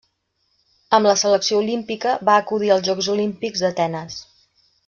Amb la selecció olímpica va acudir als Jocs Olímpics d'Atenes.